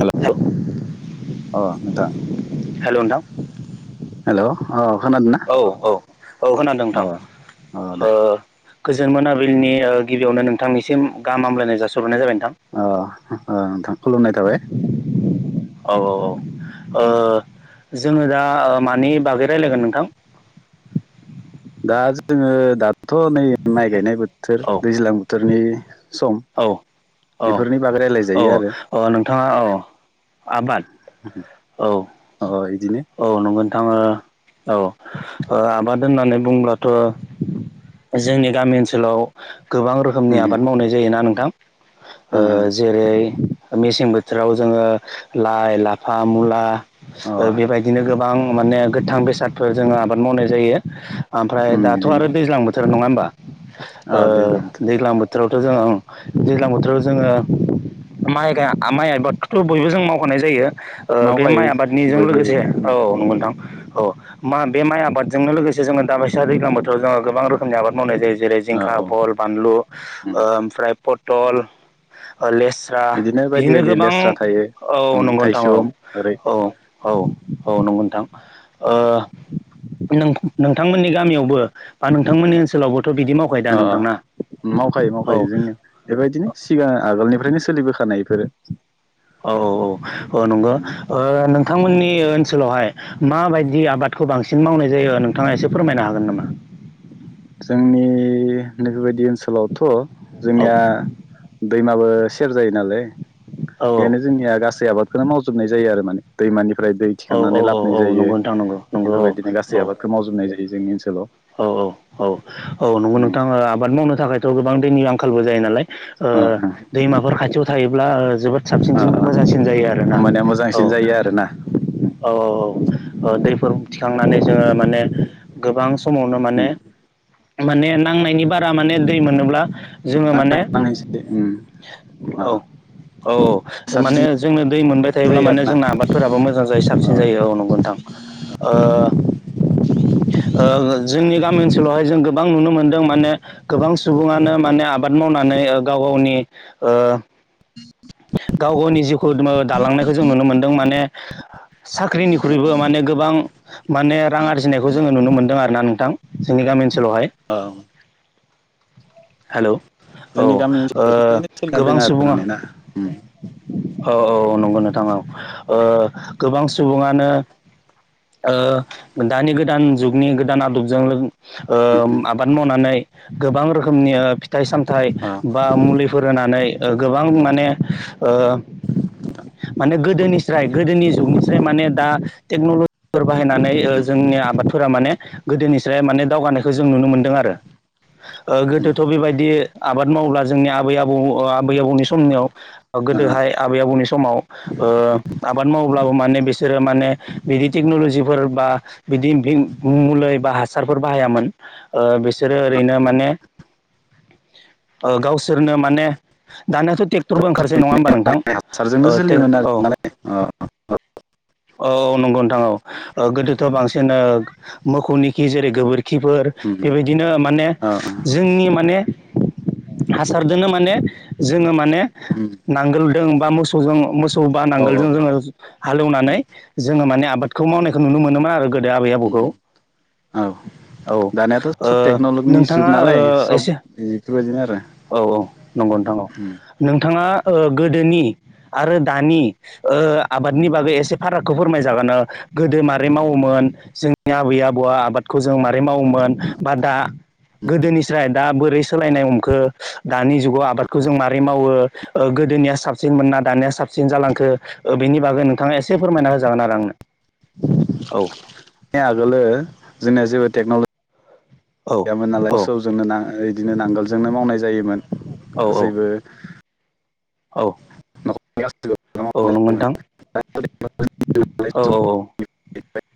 हेल' अ नोंथां हेलौ नोंथां हेलौ औ औ औ औ खोनादों नोंथां अ दे ओ गोजोन मोनाबिलिनि गिबियावनो नोंथांनिसिम गाहाम हामलायनाय जासिहरगोरनाय जाबाय नोंथां अ ओ नोंथां खुलुमनाय थाबाय, औ औ औ ओ जोङो दा मानि बागै रायज्लायगोन नोंथां? [inaudible] दा जोङो दाथ' नै माइ गायनाय बोथोर औ दैज्लां बोथोरनि सम औ बेफोरनि बागै औ रायलायजायो आरो औ नोंथाङा औ आबाद औ अ इदिनो औ नंगौ नोंथां ओ औ ओ आबाद होननानै बुंब्लाथ' जोंनि गामि ओनसोलाव गोबां रोखोमनि उम आबाद मावनाय जायोना नोंथां ओ उम जेरै मेसें बोथो राव जोङो लाइ, लाफा, मुला अ बेबायदि बिनो गोबां माने गोथां बेसादफोर जोङो आबाद मावनाय जायो। ओमफ्राय उम दाथ' इदिनो आरो दैज्लां बोथोर नङा होमबा ओ अ दैज्लां बोथोर दैज्लां बोथ बोथोरावथ' जोङो दैज्लां बोथोराव जोङो माइ माइ आइबादथ' बयबो जों मावखानाय जायो। ओ बे मावखायो माइ आबादनिजों बयबो लोगोसे उम औ नंगौ नोंथां औ मा बे माइ आबादजोंनो लोगोसे जोङो दाबायसा दैज्लां बोथोराव जोङ गोबां रोखोमनि आबाद मावनाय जायो जेरै अ जिंखा औ बल बानलु उम ओ ओमफ्राय पथल लेस्रा बायदि बिदिनो बायदि गोबां लेस्रा थायो औ उम नंगौ नोंथां औ थायसुम ओरै औ औ। औ नंगौ नोंथां ओ नोंथांमोननि गामियावबो बा नोंथांमोननि ओनसोलावबोथ' बिदि मावखायो दा अ अ नोंथांना। मावखायो औ मावखायो जोंङो बेबायदिनो सिगां आगोलनिफ्रायनो सोलिबोखानाय बेफोरो। औ औ औ औ नंगौ नोंथांमोननि ओनसोलावहाय माबायदि आबादखौ बांसिन सिन मावनाय जायो नोंथाङा एसे फोरमायनो हागोन नामा? जोंनि नैबेबायदि ओनसोलावथ' औ जोंनिया दैमाबो सेर जायो नालाय औ बेखायनो जोंनिया गासै आबादखौनो मावजोबनाय जायो आरो मा दैमानि ओफ्राय दै औ औ थिखांनानै औ औ लाबोनाय जायो नंगौ नोंथां नंगौ नंगौ बेफोरबायदिनो औ गासै औ आबादखौ मावजोबनाय जायो जोंनि ओनसोलाव। औ औ औ औ नंगौ उम नोंथाङा आबाद मावनो थाखायथ' गोबां दैनि आंखालबो जायो नालाय। ओ अ दैमाफोर खाथियाव थायोब्ला जोबोद अ साबसिनसिन मोजांसिन जायो आरोना औ। आरो ना। औ औ दैफोर थिखांनानै जोङो माने गोबां समावनो माने उम माने नांनायनि बारा माने दै मोनोब्ला जोङो माने उम अ औ। औ माने साबसिन जोंनो दै मोनबाय थायोब्ला जायो माने आरोना जोंना आबादफोराबो मोजां जायो साबसिन जायो औ नंगौ नोंथां। ओ ओ जोंनि गामि ओनसोलावहाय जों गोबां नुनो मोनदों माने गोबां सुबुङानो माने आबाद मावनानै गाव गावनि ओ गाव गावनि जिउखौ दालांनायखौ जों नुनो मोनदों माने साख्रिनिख्रुइबो माने गोबां माने रां आरजिनायखौ जोङो नुनो मोनदों आरोना। नोंथां जोंनि गामि ओनसोलावहाय। अ औ हेलौ औ जोंनि गामि ओ ओनसोलाव बेफोरबायदिनो सोलिना दङ गोबां आरो सुबुङा माने ना औ औ औ नंगौ नोंथां ओ गोबां सुबुङानो ओ दानि गोदान जुगनि गोदान आदबजों ओ आबाद मावनानै ओ गोबां रोखोमनि फिथाइ सामथाइ बा मुलिफोर होनानै गोबां माने ओ माने गोदोनिस्राय गोदोनि जुगनिस्राय माने दा। टेक्न'लजिफोर बाहायनानै जोंनि आबादफोरा माने गोदोनिफ्राय माने दावगानाय जों नुनो मोनदों आरो। गोदोथ' बेबायदि आबाद मावला जोंनि आबै आबौ आबै आबौनि समनियाव। गोदोहाय आबै आबौनि समाव ओ आबाद मावोब्लाबो माने बिसोरो माने बिदि टेकनलजिफोर बा बिदि मल बा हासारफोर बाय हायामोन बिसोरो ओरैनो माने गावसोरनो माने दानायाथ' ट्रेक्टरबो ओंखारसै नङा होमबा नोंथां सारजोंनो सोलियोमोन आरो औ नालाय अ औ नंगौ नोंथां औ। गोदोथ' बांसिन मोसौनिखि जेरै गोबोर खिफोर उम बेबायदिनो माने औ जोंनि माने हासारजों माने जोङो माने नांगोलजों बा मोसौजों मोसौ खौ बा औ नांगोलजों जोङो हालेवनानै जोङो माने आबादखौ मावनायखौ नुनो मोनोमोन आरो गो दो आबै आबौखौ औ औ दानियाथ' ओ सब टेक्न'लजिनि नों जुग नोंथांङा नालाय ओ सब एसे बेफोरबायदिनो आरो औ औ नंगौ नोंथां नोंथ बिथाङा गोदोनि आरो दानि आबादनि बागै एसे फारागखौ फोरमायजागोन नों गोदो मारै मावोमोन जोंनि आबै आबौआ आबादखौ जों मारै ब्रै मावोमोन बा दा गोदोनिफ्रायाय दा बोरै सोलायनाय हमखो। दानि जुगाव आबादखौ जों माबोरै मावो। ओ गोदोनिया साबसिन मोना दानिया साबसिन जालांखो ओ बेनि बागै नोंथाङा एसे फोरमायना होजागोन आरो आंनो। औ बे आगोलो जोंनिया जेबो टेक्न'लजि औ गैयामोन नालाय औ मोसौजोंनो बिदिनो नांगोलजोंनो मावनाय जायोमोन। औ गासैबो औ। [unintelligible] औ नंगौ नोंथां। [unintelligible] औ औ औ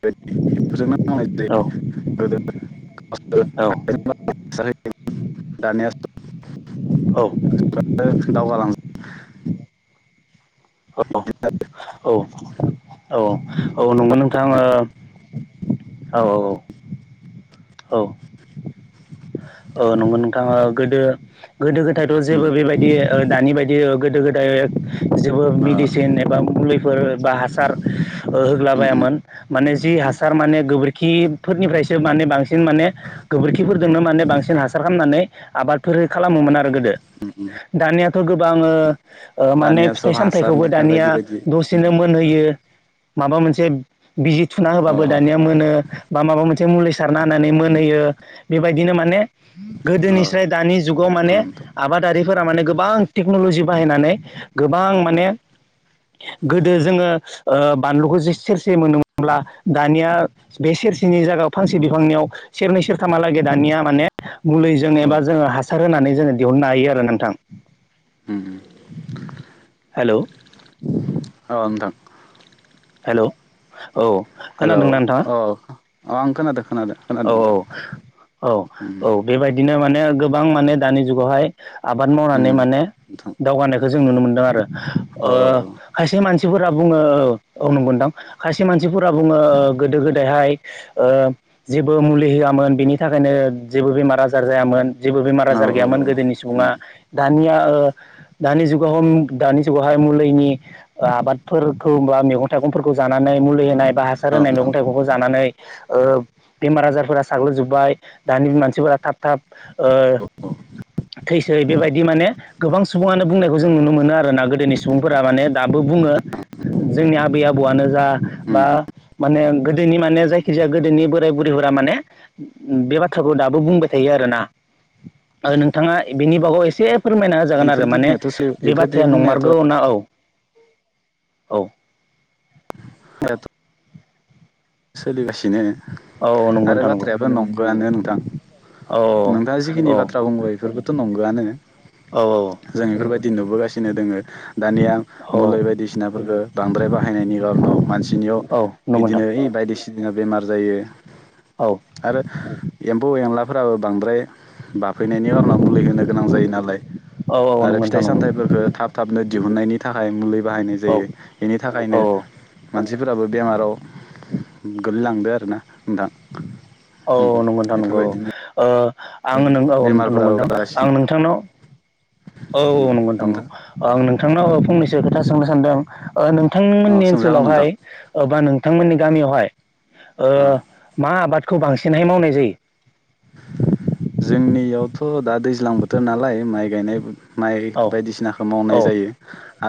बेफोरजोंनो मावनाय जायो द [unintelligible] दावगालां औ औ औ औ नंगौ नोंथां औ औ औ औ औ नंगौ नोंथां ओ गोदो गोदो गोदायथ' जेबो बेबायदि ओ दानि बायदि गोदो गोदाय जेबो मेडिसिन एबा मुलिफोर एबा हासार ओ होग्लाबायामोन माने जि हासार माने गोबोरखिफोरनिफ्रायसो माने बांसिन माने गोबोरखिफोर जोंनो माने बांसिन हासार खालामनानै आबादफोर खालामोमोन आरो गोदो दानियाथ' गोबांओ माने दानिया सब फिथाइ सामथायाइखौबो हासारनिफ्राय दानिया बायदि बायदि दसेनो मोनहोयो यो माबा मोनसे बिजि थुना अ होबाबो अ दानिया मोनो बा माबा मोनसे मुलि सारनानानै मोनहैयो बेबायदिनो माने अ गोदोनिस्राय दानि जुगाव औ माने नोंथां आबादारि फोरा माने गोबां टेक्न'लजि बाहायनानै गोबां माने गोदो जोङो ओ बानलुखौ जे सेर मोनदोंब्ला दानिया बे सेरसेनि जायगायाव फांसे बिफांनियाव सेरनै सेरथाम हालागै दानिया माने मुलिजों एबा औ जोङो हासार होनानै जोङो दिहुननो हायो आरो नोंथां उम उम हेल' औ नोंथां हेल' औ हेलो खोनादोंना नोंथाङा औ अ आं खोनादों खोनादों औ खोनादों नोंथां औ औ उम औ बेबायदिनो माने गोबां माने दानि जुगावहाय आबाद मावनानै उम माने नोंथां दावगानायखौ जों नुनो मोनदों औ ओ खायसे मानसिफोर फोरा बुङो औ नंगौ नोंथां खायसे मानसिफोरा बुङो गोदो गोदायहाय ओ जेबो मुलि होआमोन बिनि थाखायनो जेबो बेमार आजार जायामोन जेबो बेमार औ आजार औ गैयामोन उम गोदोनि औ सुबुङा दानिया ओ दानि जुगाव दानि जुगावहाय मुलिनि आबादफोरखौ बा मैगं थाइगं रफोरखौ जानानै मुलि होनाय बा हासार होनाय नोंथां मैगं थाइगंखौ जानानै ओ बेमार आजारफोरा साग्लोबजोबबाय दानि मानसिफोरा थाब थाब ओ औ उम थै यो बेबायदि माने गोबां सुबुङानो बुंनायखौ जों नुनो मोनो आरोना गोदोनि सुबुंफोरा माने दा बो बुङो जोंनि आबै आबौआनो जा उम बा माने गोदोनि माने जायखिजाया गोदोनि बोराय बुरैफोरा माने बे बाथ्राखौ दाबो बुंबाय थायो आरोना ओ नोंथाङा बिनि बागाव एसे फोरमायना होजागोन आरो इफोरदि माने बुंनायाथ' सो बे इफोरदि बाथ्राया बुंनायाथ' नंमारगौ ना औ औ एथ' सोलिगासिनो औ औ नंगौ नोंथां नंगौ नंगोआनो नोंथां औ नोंथाङा जिखिनि औ बाथ्रा बुंबाय बेफोरबोथ' नंगोआनो औ औ जों बेफोरबायदि नुबोगासिनो दोङो दानिया औ मुलि बायदिसिनाफोरखौ बांद्राय बाहायनायनि मानसिनियाव औ नंगौ बिदिनो नोंथां बायसिना बेमार जायो औ आरो एम्फौ एनलाफोराबो बांद्राय बाफैनायनि खारनाव मुलि होनो गोनां जायो नालाय औ औ आरो नंगौ नोंथां फिथाइ नंगौ सामथाइफोरफोरखौ थाब थाबनो दिहुननायनि थाखाय मुलि बाहायनाय जायो बेनि थाखायनो औ औ मानसिफोराबो बेमाराव गोग्लैलांदो आरोना नोंथां? औ नंगौ नोंथां नंगौ। बेफोरबायदिनो ओ आं नों औ नोंथां नंगौ बेमारफोराबो नोंथां आं बारासिनो नोंथांनाव औ औ नंगौ नोंथां आं नोंथांनाव फंनैसो खोथा सोंनो सानदों। ओ औ नोंथांमोननि सोंजागोन ओनसोलावहाय नोंथां बा नोंथांमोननि गामियावहाय ओ औ मा आबादखौ बांसिनहाय मावनाय जायो? जोंनियावथ' दा दैज्लां बोथोर नालाय माइ गायनाय माइ औ बायदिसिनाखौ मावनाय औ जायो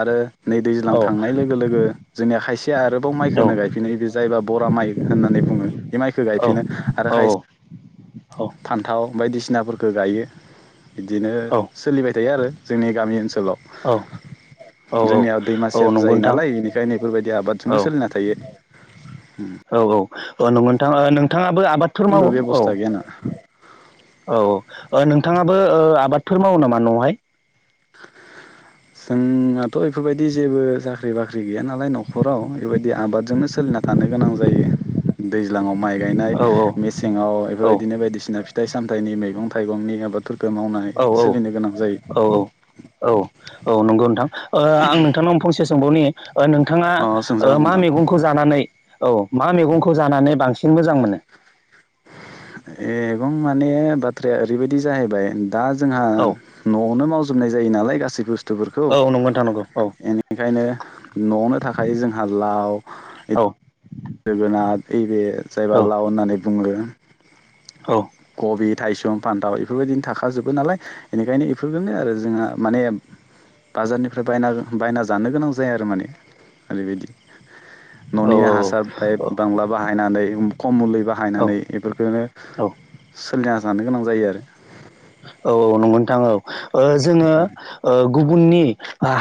आरो नै दैज्लां औ थांनाय लोगो लोगो जोंनिया खायसेया आरोबाव माइखौ गायफिनाय बे जायबा बरा माइ होननानै बुङो बे माइखौ औ गायफिनो आरो खायसे फान्थाव बायदिसिनाफोरखौ गायो बिदिनो सोलिबाय थायो आरो। जोंनि गामि ओनसोलाव औ जोंनिया औ दैमासेर नंगौ जायो नोंथां नालाय बेनिखायनो बेफोरबायदि औ आबादजोंनो सोलिना थायो। औ औ औ नंगौ नोंथां नोंथाङाबो आबादफोर बे मावो औ। बेब'स्था गैया ना औ नोंथाङाबो ओ आबादफोर मावो नामा न'आवहाय? थ [unintelligible] जोंनाथ' बेफोरबायदि जेबो साख्रि बाख्रि गैया नालाय न'खराव बेबायदि आबादजोंनो सो ना थानो गोनां जायो दैज्लाङाव। माइ गायनाय औ मेसेङाव औ बेफोरबायदिनो बायदिसिना फिथाइ सामथाइनि मैगं थाइगंनि आबाद मावनानै औ औ सोलिनो गोनां औ जायो। औ औ नंगौ नोंथां ओ आं नोंथांनाव फंसे सोंबावनि। ओ नोंथाङा अ ओ सोंजागोन मा नोंथां मैगंखौ जानानै औ मा मैगंखौ जानानै बांसिन मोजां मोनो? मैगं माने बाथ्राया ओरैबायदि जाहैबाय दा जोंहा औ न'आवनो मावजोबनाय जायो नालाय गासै बुस्थु औ नंगौ नोंथां नंगो। बेनिखायनो न'आवनो थाखाय जोंहा लाव औ जोगोनार ओइ बे औ जायबा लाव होननानै बुङो। औ कबि थायसं फानथाव बेफोरबायदिनो थाखाजोबो नालाय बेनिखायनो बेफोरफोरखौनो आरो जोंहा माने बाजारनिफ्राय बायना बायना जानो गोनां जाया आरो माने ओरैबायदि। न'निनो औ हासार फाय बांला बाहायनानै खम मुलि औ बाहायनानै बेफोरखौनो औ सोलिना जानो गोनां जायो आरो। औ औ नंगौ नोंथां औ ओ जोङो ओ गुबुननि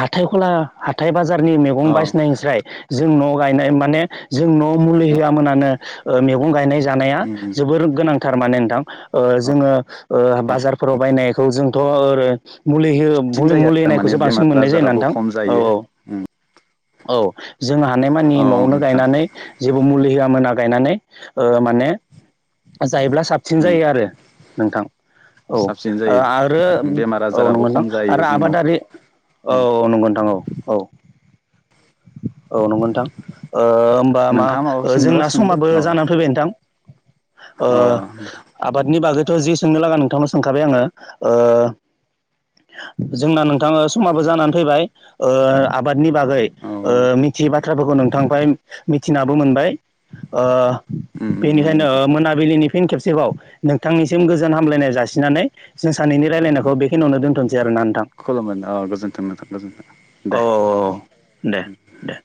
हाथाइ खला हाथाय बाजारनि मैगं आरो औ बायसिनायस्राय जोंन' गायनाय माने जों न' मुलि होयामोनानो मैगं गायनाय जानाया जोबोर गोनां। थारमाने नोंथां ओ जोङो ओ बाजारफोराव बायनायखौ जोंथ' ओ मुलि हो साबसिन मुलि जायो आरो माने होननायखौसो बांसिन बेमार मोननाय जाया आजाराबो नोंथां खम औ जायो औ। औ जों हानायमानि औ न'आवनो नोंथां गायनानै जेबो मुलि होआ मोना गायनानै ओ माने जायोब्ला साबसिन जायो आरो नोंथां। औ साबसिन जायो आरो बेमार औ आजाराबो नंगौ नोंथां खम जायो आरो जोंनाव आबादारि औ औ नंगो नोंथां औ औ। औ नंगौ नोंथां ओ होमबा मा नोंथाङा माबाफोर सोंनोबा जोंना सोंदो समाबो अ जानानै फैबाय नोंथां। ओ अ आबादनि बागैथ' जि सोंनो लागा नोंथांनाव सोंखाबाय आंङो ओ जोंना नोंथाङा समाबो जानानै फैबाय ओ आबाद नि बागै औ नंगौ मिथियै बाथ्राफोरखौ नोंथांनिफ्राय मिथिनाबो मोनबाय ओ नंगौ बेनिखायनो नोंथां मोनाबिलिनि फिन खेबसेबाव नोंथांनिसिम गोजोन हामलायनाय जासि फिसिनानै जों सानैनि रायलायनायखौ बे खिनियावनो दोनथ'नोसै आरोना नोंथां खुलुमबाय औ गोजोन्थों नोंथां गोजोन्थों औ दे औ। दे दे।